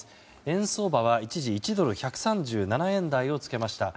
円相場は一時、１ドル＝１３７円台をつけました。